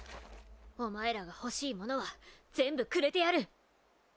お前らがほしいものは全部くれてやる。